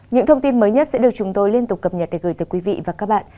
những thông tin mới nhất sẽ được chúng tôi liên tục cập nhật để gửi tới quý vị và các bạn